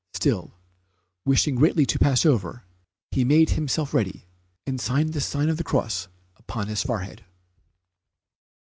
Still, wishing greatly to pass over, he made himself ready, and signed the sign of the cross upon his forehead.